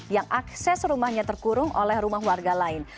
yang akses rumahnya terkurung oleh rumah warga lain